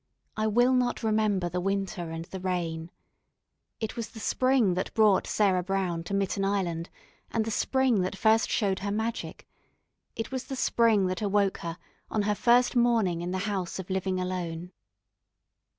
I will not remember the winter and the rain. It was the Spring that brought Sarah Brown to Mitten Island, and the Spring that first showed her magic. It was the Spring that awoke her on her first morning in the House of Living Alone.